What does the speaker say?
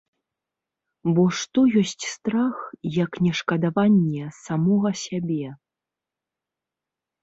Бо што ёсць страх, як не шкадаванне самога сябе?